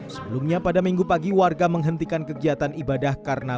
sebelumnya pada minggu pagi warga menghentikan kegiatan ibadah karena